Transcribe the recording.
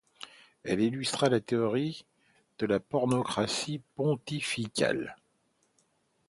Elle illustra la théorie de la pornocratie pontificale.